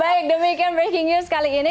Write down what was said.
baik demikian breaking news kali ini